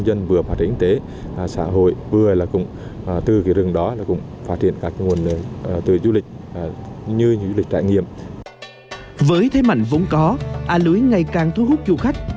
a nô ngày càng thu hút du khách